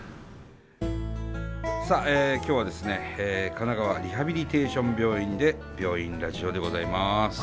さあ今日はですね神奈川リハビリテーション病院で「病院ラジオ」でございます。